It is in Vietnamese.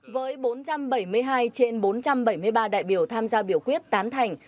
với bốn trăm bảy mươi hai trên bốn trăm bảy mươi ba đại biểu tham gia biểu quyết tán thành